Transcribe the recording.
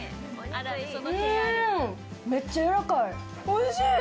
おいしい！